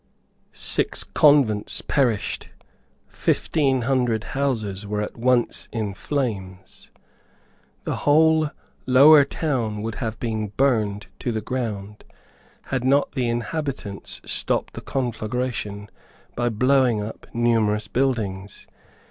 Six convents perished. Fifteen hundred houses were at once in flames. The whole lower town would have been burned to the ground, had not the inhabitants stopped the conflagration by blowing up numerous buildings.